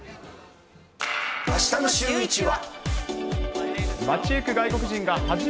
あしたのシューイチは。